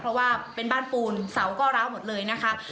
เพราะว่าเป็นบ้านปูนเสาก็ร้าวหมดเลยนะคะ